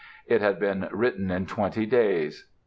It had been written in twenty days.